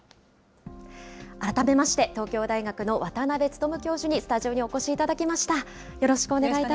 改めまして、東京大学の渡辺努教授にスタジオにお越しいただきました。